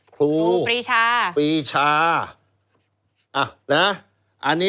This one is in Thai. คลูปีชา